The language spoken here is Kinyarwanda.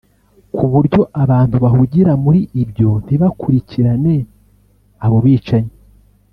kuburyo abantu bahugira muri ibyo ntibakurikirane abo bicanyi